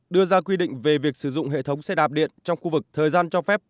đưa ra quy định về việc sử dụng hệ thống xe đạp điện trong khu vực thời gian cho phép